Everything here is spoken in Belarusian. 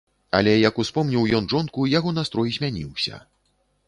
Але як успомніў ён жонку, яго настрой змяніўся.